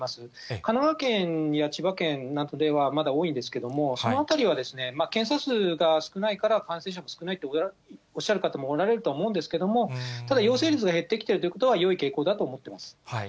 神奈川県や千葉県などではまだ多いんですけれども、そのあたりは検査数が少ないから感染者も少ないとおっしゃる方もおられるとは思うんですけれども、ただ、陽性率が減ってきているということはよい傾向だと思ってます。